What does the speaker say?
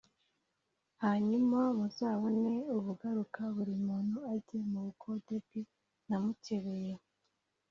hanyuma muzabone ubugaruka, buri muntu ajye mu bukonde bwe namukebeye.